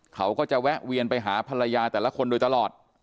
เขาก็จะแวะเวียนไปหาภรรยาแต่ละคนโดยตลอด